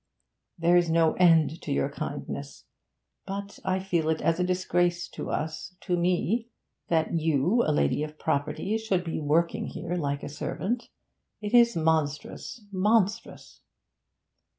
'There is no end to your kindness; but I feel it as a disgrace to us to me that you, a lady of property, should be working here like a servant. It is monstrous monstrous!'